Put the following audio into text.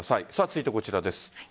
続いてこちらです。